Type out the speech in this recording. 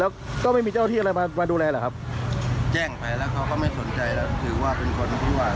แล้วก็ไม่มีเจ้าที่อะไรมามาดูแลเหรอครับแจ้งไปแล้วเขาก็ไม่สนใจแล้วถือว่าเป็นคนที่ว่า